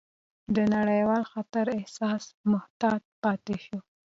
د نړیوال خطر احساس محتاط پاتې شو،